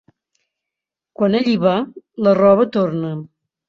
Quan ell hi va, la roba torna.